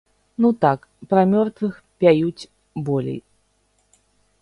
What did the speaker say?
Ну так, пра мёртвых пяюць болей.